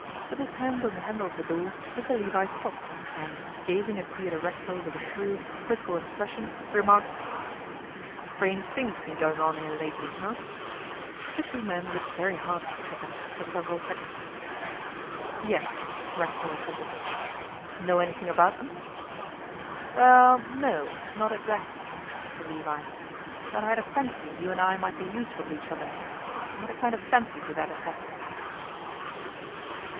With his hand on the handle of the door, Mr Levi stopped, and, gazing at Theodore Racksole with a shrewd, quizzical expression, remarked: 'Strange things been going on here lately, eh?' The two men looked very hard at each other for several seconds. 'Yes,' Racksole assented. 'Know anything about them?' 'Well no, not exactly,' said Mr Levi. 'But I had a fancy you and I might be useful to each other; I had a kind of fancy to that effect.